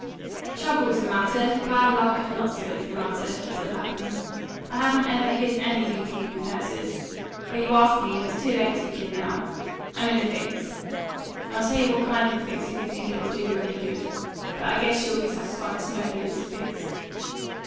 "Trouble's the matter; bad luck and lots of it's the matter," said Lapham. "I haven't ever hid anything from you, Persis, well you asked me, and it's too late to begin now. I'm in a fix. I'll tell you what kind of a fix, if you think it'll do you any good; but I guess you'll be satisfied to know that it's a fix."